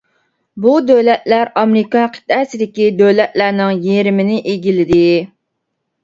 بۇ دۆلەتلەر ئامېرىكا قىتئەسىدىكى دۆلەتلەرنىڭ يېرىمىنى ئىگىلىدى.